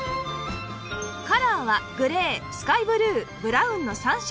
カラーはグレースカイブルーブラウンの３色